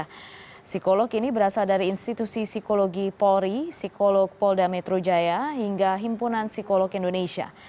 psikolog ini berasal dari institusi psikologi polri psikolog polda metro jaya hingga himpunan psikolog indonesia